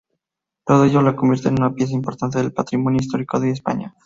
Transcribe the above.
Todo ello, la convierten en una pieza importante del patrimonio histórico de España.